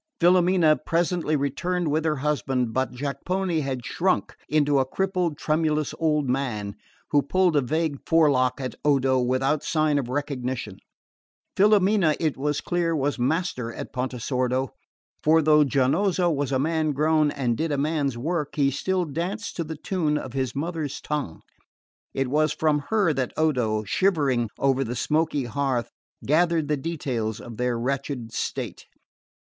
Filomena presently returned with her husband; but Jacopone had shrunk into a crippled tremulous old man, who pulled a vague forelock at Odo without sign of recognition. Filomena, it was clear, was master at Pontesordo; for though Giannozzo was a man grown, and did a man's work, he still danced to the tune of his mother's tongue. It was from her that Odo, shivering over the smoky hearth, gathered the details of their wretched state.